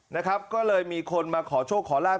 นะครับก็เลยมีคนมาขอโชคขอลาบ